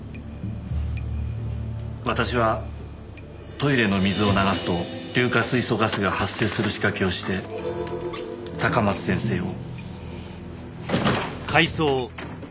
私はトイレの水を流すと硫化水素ガスが発生する仕掛けをして高松先生を。